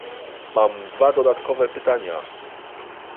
Mam dwa dodatkowe pytania